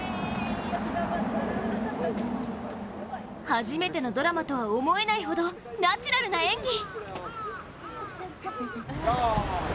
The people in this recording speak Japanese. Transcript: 初めてのドラマとは思えないほどナチュラルな演技！